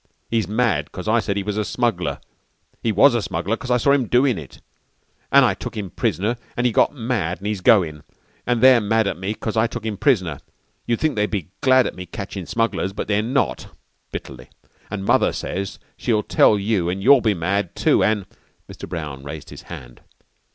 He's mad 'cause I said he was a smuggler. He was a smuggler 'cause I saw him doin' it, an' I took him prisoner an' he got mad an' he's goin'. An' they're mad at me 'cause I took him prisoner. You'd think they'd be glad at me catchin' smugglers, but they're not," bitterly. "An' Mother says she'll tell you an' you'll be mad too an' " Mr. Brown raised his hand.